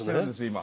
今。